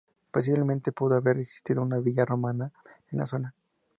Posiblemente pudo haber existido una villa romana en la zona.